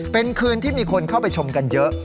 เป็นคืนที่มีคนเข้าไปชมกันเยอะ